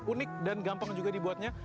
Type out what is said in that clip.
unik dan gampang juga dibuatnya